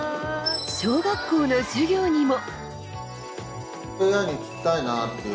小学校の授業にも。